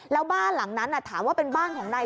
แล้วบ้านหลังนั้นถามว่าเป็นบ้านของนาย